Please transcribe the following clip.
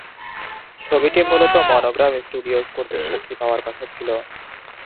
ছবিটি মূলত মোনোগ্রাম স্টুডিওস কর্তৃক মুক্তি পাওয়ার কথা ছিল।